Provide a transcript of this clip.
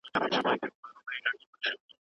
که مناسب چاپېریال وي نو څېړونکي ښه کار کولای سي.